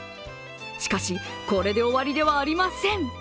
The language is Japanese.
しかし、これで終わりではありません。